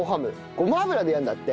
ごま油でやるんだって。